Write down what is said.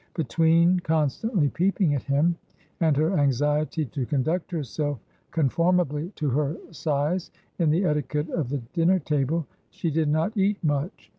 Between constantly peeping at him, and her anxiety to conduct herself conformably to her size in the etiquette of the dinner table, she did not eat much.